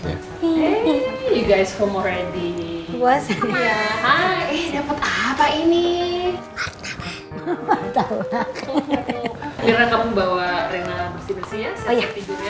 kirana kami bawa benda bersiharp